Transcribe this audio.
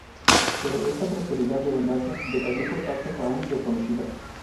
Pero esta prosperidad y abundancia decayó por causas aún desconocidas.